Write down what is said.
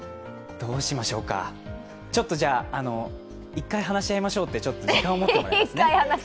どうしましょうか、１回話し合いましょうって時間持ってもらいますね。